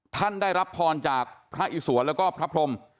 ท่านได้รับพรจากพระอิสวนแล้วก็พระพรม